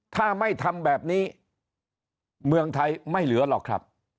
ถ้าไม่ทำแบบนี้เมืองไทยไม่เหลือหรอกครับ